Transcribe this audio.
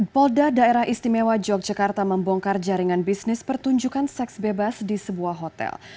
polda daerah istimewa yogyakarta membongkar jaringan bisnis pertunjukan seks bebas di sebuah hotel